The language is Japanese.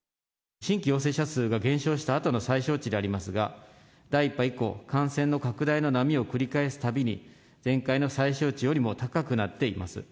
新規陽性者数が減少したあとの最小値でありますが、第１波以降、感染の拡大の波を繰り返すたびに、前回の最小値よりも高くなっています。